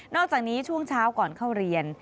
อกจากนี้ช่วงเช้าก่อนเข้าเรียน